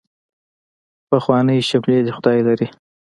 پخوانۍ شملې دې خدای لري.